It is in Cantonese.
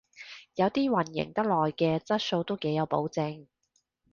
有啲營運得耐嘅質素都幾有保證